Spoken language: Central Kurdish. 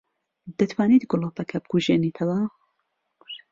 دەتوانیت گڵۆپەکە بکوژێنیتەوە؟